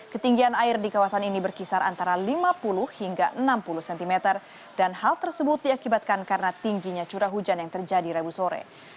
ketinggian air di kawasan ini berkisar antara lima puluh hingga enam puluh cm dan hal tersebut diakibatkan karena tingginya curah hujan yang terjadi rabu sore